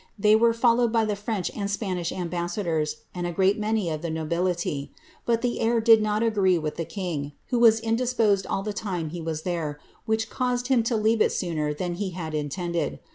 They were follovrd by the French and Spanish ambassadors, and a great many of the oo bility ; but the air did not agree with the king, who was indisposed ail the time he was there, wlkich caused him to leave it sooner than he bad intended.